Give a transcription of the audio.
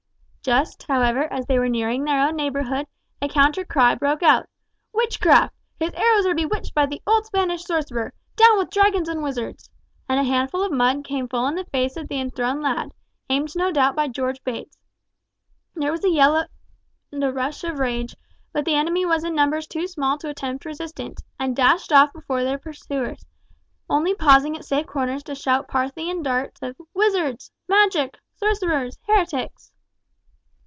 Just, however, as they were nearing their own neighbourhood, a counter cry broke out, "Witchcraft! His arrows are bewitched by the old Spanish sorcerer! Down with Dragons and Wizards!" And a handful of mud came full in the face of the enthroned lad, aimed no doubt by George Bates. There was a yell and rush of rage, but the enemy was in numbers too small to attempt resistance, and dashed off before their pursuers, only pausing at safe corners to shout Parthian darts of "Wizards!" "Magic!" "Sorcerers!" "Heretics!"